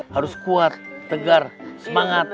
harus kuat tegar semangat